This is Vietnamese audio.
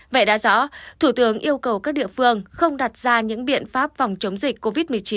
vậy đã rõ thủ tướng yêu cầu các địa phương không đặt ra những biện pháp phòng chống dịch covid một mươi chín